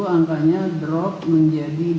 angkanya drop menjadi dua puluh sembilan